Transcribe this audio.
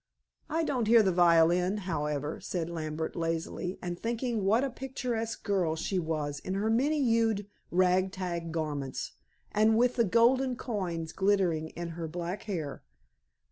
"I don't hear the violin, however," said Lambert lazily, and thinking what a picturesque girl she was in her many hued rag tag garments, and with the golden coins glittering in her black hair.